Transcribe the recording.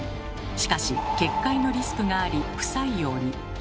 しかし決壊のリスクがあり不採用に。